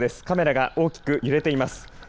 カメラが大きく揺れています。